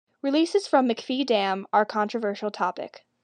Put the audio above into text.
Releases from McPhee Dam are a controversial topic.